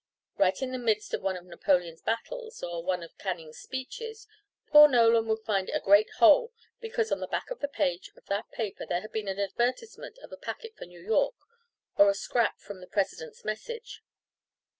Right in the midst of one of Napoleon's battles, or one of Canning's speeches, poor Nolan would find a great hole, because on the back of the page of that paper there had been an advertisement of a packet for New York, or a scrap from the President's message.